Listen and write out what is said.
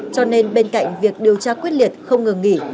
cho nên bên cạnh việc điều tra quyết liệt không ngừng nghỉ